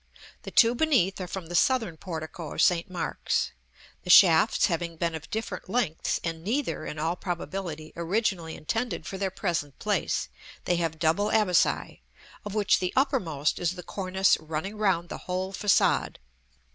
The two beneath are from the southern portico of St. Mark's; the shafts having been of different lengths, and neither, in all probability, originally intended for their present place, they have double abaci, of which the uppermost is the cornice running round the whole façade.